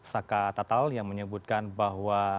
saka tatal yang menyebutkan bahwa